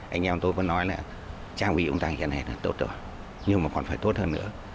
anh em tôi có nói là trang bị chúng ta như thế này là tốt rồi nhưng mà còn phải tốt hơn nữa